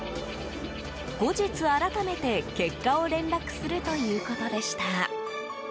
後日、改めて結果を連絡するということでした。